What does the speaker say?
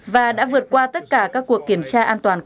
và đã vượt qua tất cả các cuộc kiểm tra an toàn